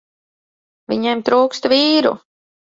Viņiem trūkst vīru.